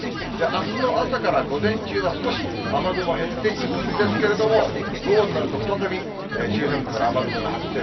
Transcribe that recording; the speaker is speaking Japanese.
あすの朝から午前中は少し雨雲減っていくんですけれども、午後になると再び周辺部から雨雲が発生。